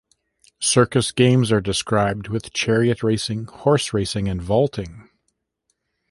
Circus games are described, with chariot racing, horse racing and vaulting.